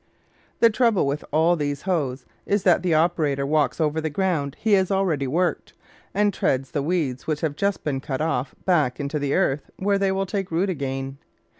One trouble with all these hoes is that the oper ator walks over the ground he has already worked, and treads the weeds which have just been cut off back into the earth, where they take root again.